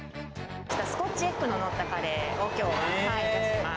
スコッチエッグの載ったカレーをきょうは出します。